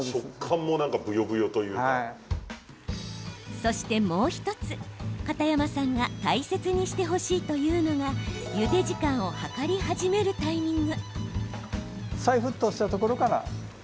そしてもう１つ、片山さんが大切にしてほしいというのがゆで時間を計り始めるタイミング。